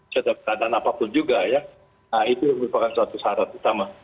setiap keadaan apapun juga ya itu merupakan suatu syarat utama